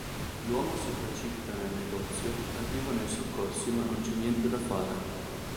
L'uomo si precipita nel negozio, arrivano i soccorsi ma non c'è niente da fare.